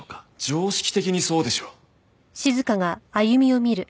常識的にそうでしょ。